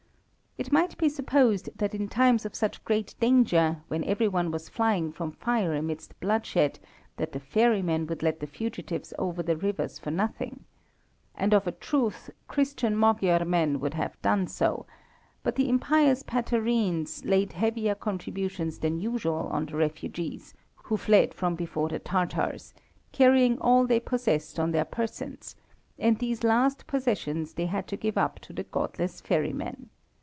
It might be supposed that in times of such great danger, when every one was flying from fire amidst bloodshed, that the ferrymen would let the fugitives over the rivers for nothing. And of a truth Christian Magyar men would have so done, but the impious Patarenes laid heavier contributions than usual on the refugees, who fled from before the Tatars, carrying all they possessed on their persons, and these last possessions they had to give up to the godless ferrymen.